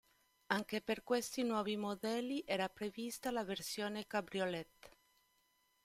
Anche per questi nuovi modelli era prevista la versione cabriolet.